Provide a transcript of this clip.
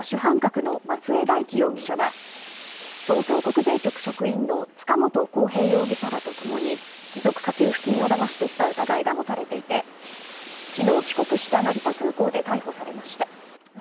ドバイに逃亡していた主犯格の松江大樹容疑者は、東京国税局職員の塚本晃平容疑者らと共に持続化給付金をだまし取った疑いが持たれていて、きのう帰国した成田空港で逮捕されました。